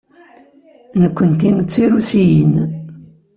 Nekkenti d Tirusiyin.